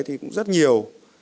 thì cũng rất nhiều